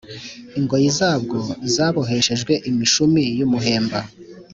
ingoyi zabwo zaboheshejwe imishumi y’umuhemba